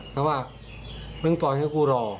เขาว่านึกปล่อยให้กูรอ